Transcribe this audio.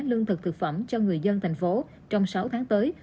lương thực thực phẩm cho người dân thành phố trong sáu tháng tới